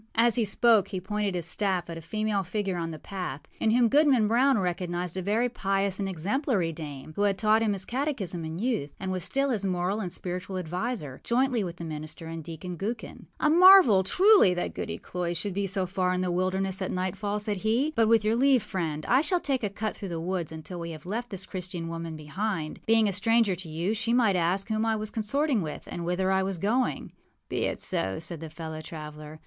â As he spoke he pointed his staff at a female figure on the path, in whom Goodman Brown recognized a very pious and exemplary dame, who had taught him his catechism in youth, and was still his moral and spiritual adviser, jointly with the minister and Deacon Gookin. âA marvel, truly, that Goody Cloyse should be so far in the wilderness at nightfall,â said he. âBut with your leave, friend, I shall take a cut through the woods until we have left this Christian woman behind. Being a stranger to you, she might ask whom I was consorting with and whither I was going.â âBe it so,â said his fellow traveller.